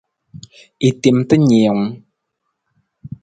I tem ta niiwung.